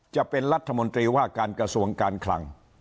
จะเป็นรัฐมนตรีว่าการกระทรวงการคลัง